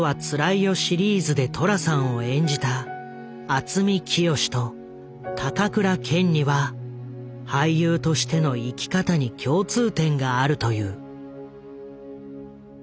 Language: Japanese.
シリーズで寅さんを演じた渥美清と高倉健には俳優としての生き方に共通点があると言う。